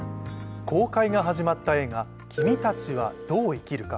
公開が始まった映画「君たちはどう生きるか」。